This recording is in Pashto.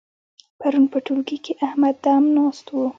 پرون په ټولګي کې احمد دم ناست وو.